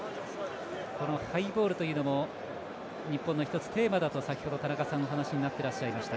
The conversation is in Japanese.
ハイボールというのも日本の一つテーマだと先ほど、田中さんがお話になってらっしゃいました。